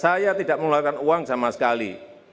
saya tidak mengeluarkan uang sama sekali